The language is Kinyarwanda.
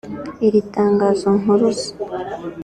Iri tangazo mpuruza